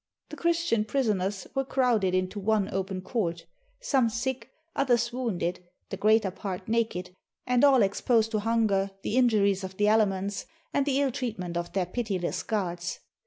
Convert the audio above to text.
The Christian prisoners were crowded into one open court; some sick, others wounded, the greater part naked, and all exposed to hunger, the injuries of the elements, and the ill treatment of their pitiless guards.